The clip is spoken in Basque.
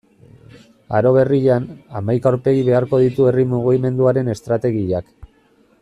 Aro berrian, hamaika aurpegi beharko ditu herri mugimenduaren estrategiak.